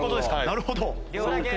なるほど。